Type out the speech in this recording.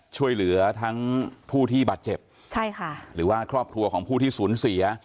ช่วยเหลือทั้งผู้ที่บาดเจ็บใช่ค่ะหรือว่าครอบครัวของผู้ที่สูญเสีย